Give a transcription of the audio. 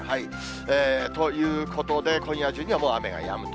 ということで、今夜中にはもう雨がやむと。